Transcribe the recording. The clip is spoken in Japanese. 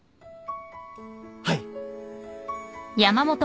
はい。